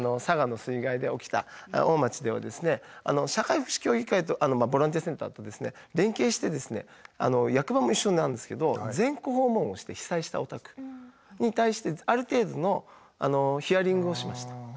佐賀の水害で起きた大町では社会福祉協議会とボランティアセンターと連携して役場も一緒なんですけど全戸訪問をして被災したお宅に対してある程度のヒアリングをしました。